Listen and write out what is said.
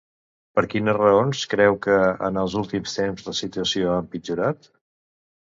Per quines raons creu que, en els últims temps, la situació ha empitjorat?